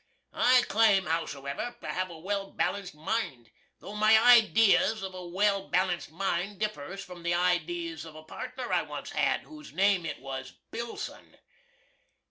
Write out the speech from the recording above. I claim, howsever, to have a well balanced mind; tho' my idees of a well balanced mind differs from the idees of a partner I once had, whose name it was Billson.